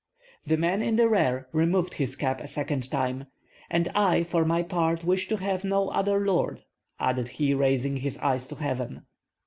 The man in the rear removed his cap a second time. "And I, for my part, wish to have no other lord," added he, raising his eyes to heaven.